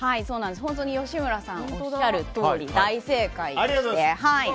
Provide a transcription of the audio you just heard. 本当に吉村さんがおっしゃるとおり大正解で。